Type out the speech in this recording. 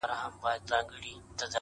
سپوږمۍ ترې وشرمېږي او الماس اړوي سترگي؛